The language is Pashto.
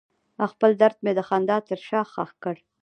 خپل درد مې د خندا تر شا ښخ کړ.